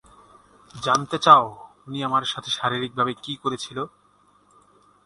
জানতে চাও উনি আমার সাথে শারীরিকভাবে কী করেছিল?